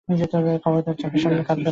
খবরদার চকের সামনে কাদবে না।